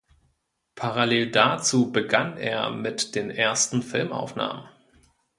Parallel dazu begann er mit den ersten Filmaufnahmen.